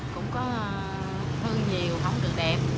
cũng có thương nhiều không được đẹp